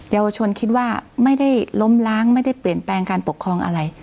เยาวชนคิดว่าไม่ได้ล้มล้างไม่ได้เปลี่ยนแปลงการปกครองอะไร